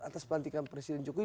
atas perhentikan presiden jokowi